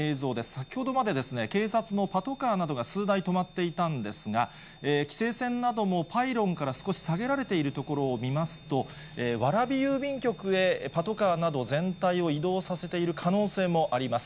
先ほどまで、警察のパトカーなどが数台止まっていたんですが、規制線などもパイロンから少し下げられているところを見ますと、蕨郵便局へパトカーなど全体を移動させている可能性もあります。